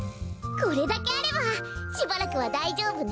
これだけあればしばらくはだいじょうぶね。